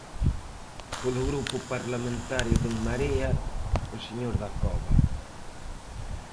Polo Grupo Parlamentario de En Marea, o señor Dacova.